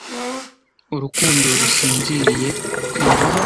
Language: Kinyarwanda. urukundo rusinziriye ku ibaba